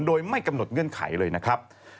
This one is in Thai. โดยไม่กำหนดเงื่อนไขเลยนะครับ